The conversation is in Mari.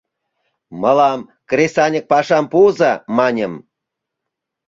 «Мылам кресаньык пашам пуыза!» — маньым.